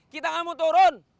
kita gak mau turun